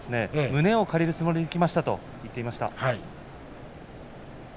胸を借りるつもりでいきましたと言っていました。